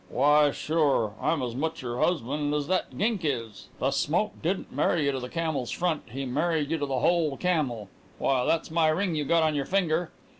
"Why, sure. I'm as much your husband as that gink is. The smoke didn't marry you to the camel's front. He married you to the whole camel. Why, that's my ring you got on your finger!"